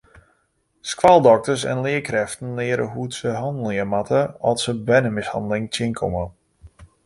Skoaldokters en learkrêften leare hoe't se hannelje moatte at se bernemishanneling tsjinkomme.